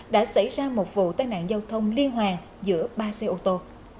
đã xảy ra một vụ tai nạn giao thông liên hoàn giữa ba xe ô tô